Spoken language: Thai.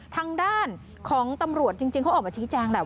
ทางด้านของตำรวจจริงเขาออกมาชี้แจงแหละ